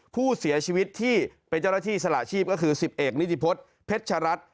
ผู้เสียชีวิตที่เป็นเจ้ารสชีพสหชีพก็คือศิบเอกนิดิพดเพชรรัส